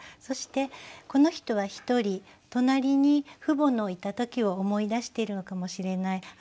そしてこの人は１人隣に父母のいた時を思い出しているのかもしれない。